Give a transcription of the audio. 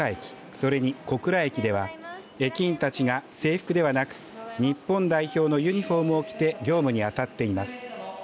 それに小倉駅では駅員たちが制服ではなく日本代表のユニフォームを着て業務にあたっています。